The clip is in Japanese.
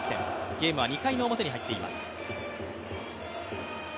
ゲームは２回の表に入っています。